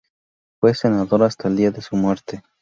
Fue senador hasta el día de su muerte.